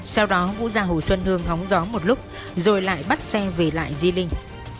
sau đó vũ ra hồ xuân hương hóng gió một lúc rồi lại bắt xe về lại di linh